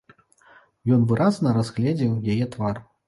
Ён выразна разгледзеў яе твар.